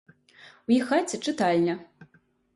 У іх хаце чытальня.